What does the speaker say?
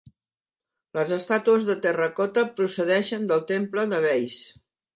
Les estàtues de terracota procedeixen del temple de Veïs.